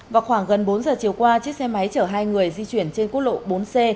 vào khoảng gần bốn giờ chiều qua chiếc xe máy chở hai người di chuyển trên quốc lộ bốn c